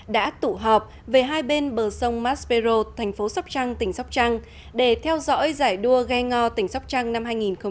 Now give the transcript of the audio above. đã tụ họp về hai bên bờ sông maspero thành phố sóc trăng tỉnh sóc trăng để theo dõi giải đua ghe ngò tỉnh sóc trăng năm hai nghìn một mươi chín